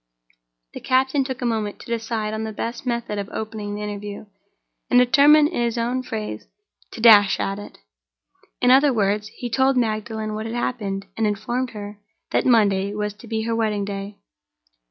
The captain took a moment to decide on the best method of opening the interview, and determined, in his own phrase, to dash at it. In two words he told Magdalen what had happened, and informed her that Monday was to be her wedding day.